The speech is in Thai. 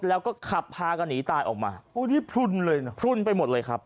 แล้วก็ขับพากันหนีตายออกมาอุ้ยนี่พลุนเลยนะพลุนไปหมดเลยครับ